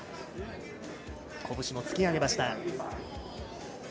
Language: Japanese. こぶしも突き上げました。